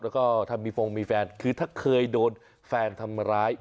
แล้วก็ถ้ามีฟงมีแฟนคือถ้าเคยโดนแฟนทำร้าย